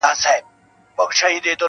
احساس د سړیتوب یم ور بللی خپل درشل ته,